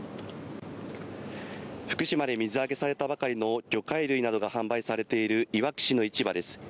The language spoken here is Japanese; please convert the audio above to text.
福島で水揚げされたばかりの魚介類などが販売されているいわき市の市場です。